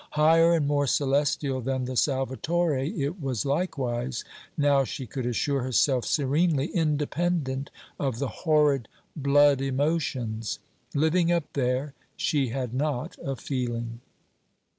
Higher and more celestial than the Salvatore, it was likewise, now she could assure herself serenely, independent of the horrid blood emotions. Living up there, she had not a feeling.